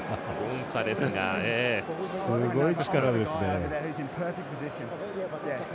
すごい力ですね。